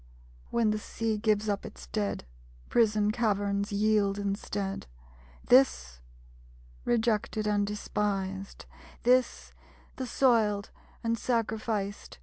_When the Sea gives up its dead, Prison caverns, yield instead This, rejected and despised; This, the Soiled and Sacrificed!